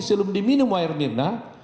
sebelum diminum wayemirna